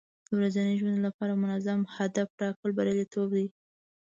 د ورځني ژوند لپاره منظم هدف ټاکل بریالیتوب دی.